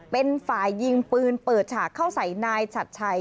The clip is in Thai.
เป็นฝ่ายยิงปืนเปิดฉากเข้าใส่นายชัดชัย